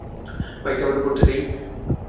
Bike থামানোর পর থেকেই।